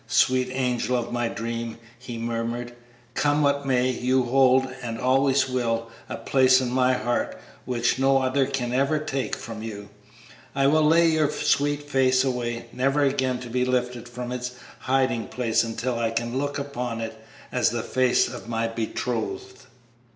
"Sweet angel of my dream!" he murmured; "come what may, you hold, and always will, a place in my heart which no other can ever take from you. I will lay your sweet face away, never again to be lifted from its hiding place until I can look upon it as the face of my betrothed."